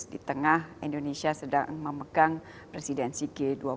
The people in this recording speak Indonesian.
di tengah indonesia sedang memegang presidensi g dua puluh